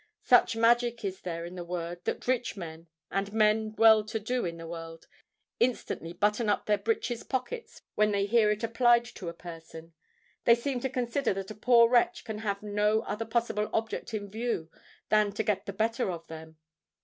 Such magic is there in the word, that rich men, and men well to do in the world, instantly button up their breeches' pockets when they hear it applied to a person. They seem to consider that a poor wretch can have no other possible object in view than to get the better of them.